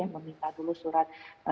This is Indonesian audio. meminta dulu surat